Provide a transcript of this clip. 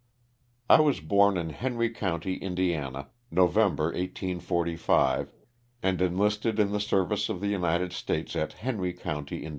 T WAS born in Henry county, Indiana, November, ^ 1845, and enlisted in the service of the United States at Henry county, lad.